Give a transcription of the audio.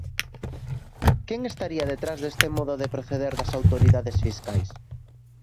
Quen estaría detrás deste modo de proceder das autoridades fiscais?